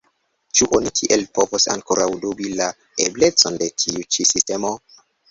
Ĉu oni tiel povos ankoraŭ dubi la eblecon de tiu ĉi sistemo?